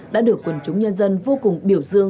đã được quần chúng nhân dân vô cùng biểu dương